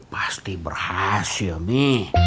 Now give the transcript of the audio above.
pasti berhasil mi